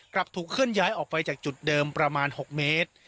กลับถูกเคลื่อนย้ายออกไปจากจุดเดิมประมาณ๖เมตร